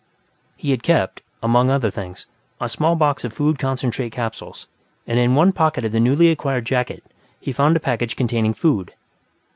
He had kept, among other things, a small box of food concentrate capsules, and in one pocket of the newly acquired jacket he found a package containing food.